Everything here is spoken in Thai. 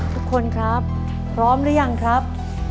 ทุกคนครับพร้อมหรือยังครับ